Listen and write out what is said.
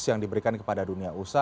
yang diberikan kepada dunia